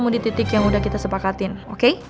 mau di titik yang udah kita sepakatin oke